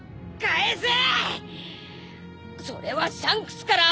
返せ！